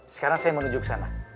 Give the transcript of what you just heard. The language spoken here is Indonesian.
sekarang saya menuju ke sana